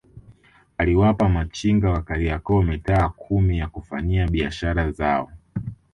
Aliwapa machinga wa Kariakoo mitaa kumi ya kufanyia biashara zao